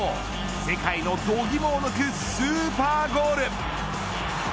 世界の度肝を抜くスーパーゴール。